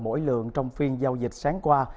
mỗi lượng trong phiên giao dịch sáng qua